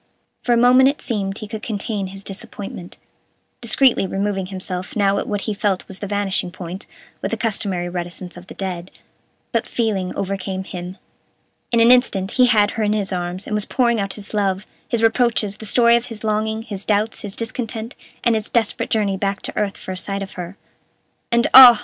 For a moment it seemed he could contain his disappointment, discreetly removing himself now at what he felt was the vanishing point, with the customary reticence of the dead, but feeling overcame him. In an instant he had her in his arms, and was pouring out his love, his reproaches, the story of his longing, his doubts, his discontent, and his desperate journey back to earth for a sight of her. "And, ah!"